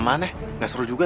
dramanya tidak seru juga